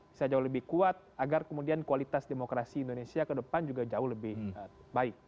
bisa jauh lebih kuat agar kemudian kualitas demokrasi indonesia ke depan juga jauh lebih baik